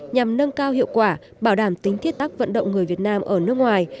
nhằm nâng cao hiệu quả bảo đảm tính thiết tắc vận động người việt nam ở nước ngoài